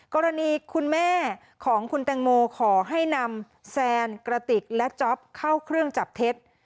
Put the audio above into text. กรณีคุณแม่ของคุณแตงโมขอให้นำแซนกระติกและจ๊อปเข้าเครื่องจับเท็จ